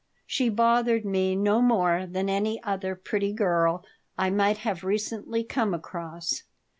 She bothered me no more than any other pretty girl I might have recently come across.